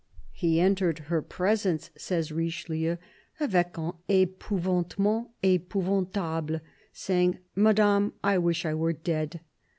"He entered her presence," says Richelieu, " avec un epouvantement epoiwantable, saying, ' Madame, I wish I were dead.'